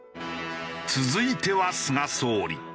続いては菅総理。